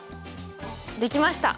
できました！